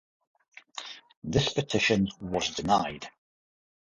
This petition was denied.